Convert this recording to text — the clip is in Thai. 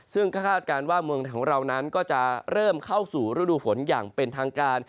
ซึ่งก็คาดการณ์ว่าเมืองของเรานั้นก็จะเริ่มเข้าสู่ฤดูฝนอย่างเป็นทางการ